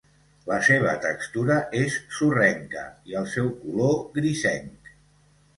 La seva textura és sorrenca i el seu color grisenc.